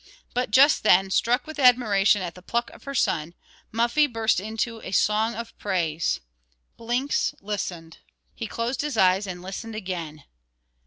But, just then, struck with admiration at the pluck of her son, Muffie burst into a song of praise. Blinks listened. He closed his eyes, and listened again.